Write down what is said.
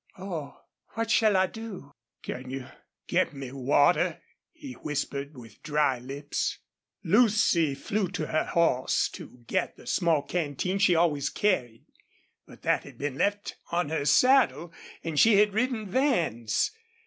"Oh! ... What shall I do?" "Can you get me water?" he whispered, with dry lips. Lucy flew to her horse to get the small canteen she always carried. But that had been left on her saddle, and she had ridden Van's.